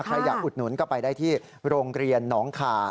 ใครอยากอุดหนุนก็ไปได้ที่โรงเรียนหนองคาย